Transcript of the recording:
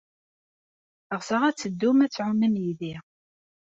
Ɣseɣ ad d-teddum ad tɛumem yid-i.